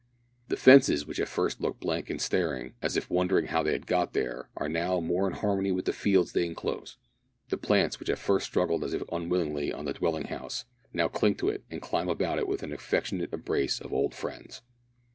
The fences, which at first looked blank and staring, as if wondering how they had got there, are now more in harmony with the fields they enclose. The plants which at first struggled as if unwillingly on the dwelling house, now cling to it and climb about it with the affectionate embrace of old friends.